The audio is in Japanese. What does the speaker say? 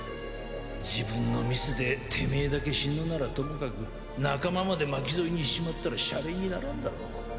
自分のミスでテメエだけ死ぬならともかく仲間まで巻き添えにしちまったらシャレにならんだろう？